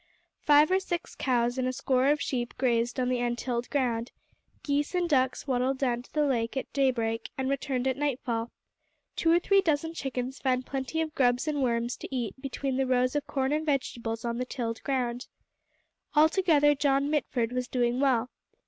Five or six cows and a score of sheep grazed on the untilled ground; geese and ducks waddled down to the lake at daybreak and returned at nightfall; two or three dozen chickens found plenty of grubs and worms to eat between the rows of corn and vegetables on the tilled ground. Altogether John Mitford was doing well.